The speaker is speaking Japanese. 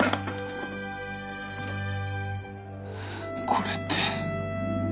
これって。